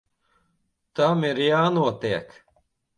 Tam ir jānotiek.